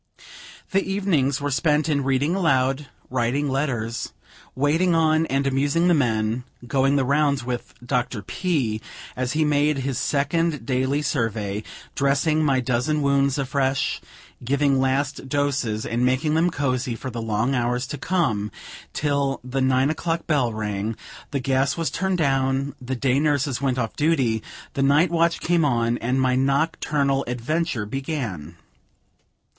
The evenings were spent in reading aloud, writing letters, waiting on and amusing the men, going the rounds with Dr. P., as he made his second daily survey, dressing my dozen wounds afresh, giving last doses, and making them cozy for the long hours to come, till the nine o'clock bell rang, the gas was turned down, the day nurses went off duty, the night watch came on, and my nocturnal adventure began.